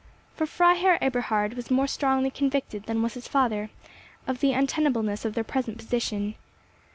For Freiherr Eberhard was more strongly convinced than was his father of the untenableness of their present position.